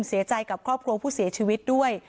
เสียใจกับครอบครัวผู้เสียชีวิตด้วย